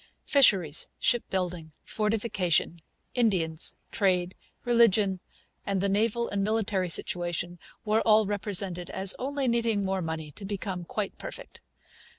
Fisheries, shipbuilding, fortification, Indians, trade, religion, the naval and military situation, were all represented as only needing more money to become quite perfect.